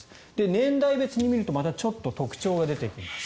年代別に見るとまたちょっと特徴が出てきます。